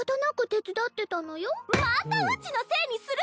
またうちのせいにする！